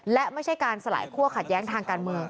และไม่ใช่การสลายคั่วขัดแย้งทางการเมือง